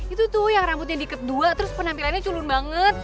itu tuh yang rambutnya diet dua terus penampilannya curun banget